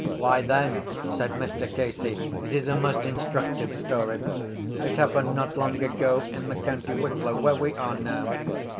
—Why then, said Mr Casey, it is a most instructive story. It happened not long ago in the county Wicklow where we are now.